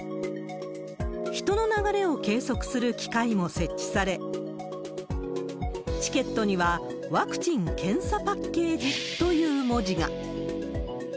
人の流れを計測する機械も設置され、チケットには、ワクチン・検査パッケージという文字が。